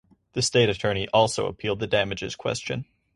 The state attorney also appealed the damages question.